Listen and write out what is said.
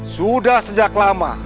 sudah sejak lama